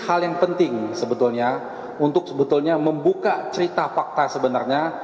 hal yang penting sebetulnya untuk sebetulnya membuka cerita fakta sebenarnya